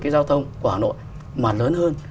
cái giao thông của hà nội mà lớn hơn